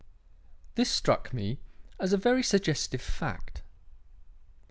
"This struck me as a very suggestive fact.